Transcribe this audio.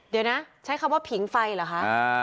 เดี๋ยวนะใช้คำว่าผิงไฟเหรอคะ